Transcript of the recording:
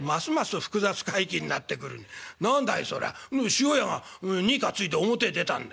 「塩屋が荷担いで表へ出たんだ。